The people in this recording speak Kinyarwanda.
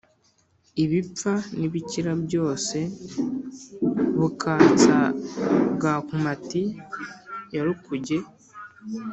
ibipfa n’ibikira byose bukatsa bwa nkomati ya rukuge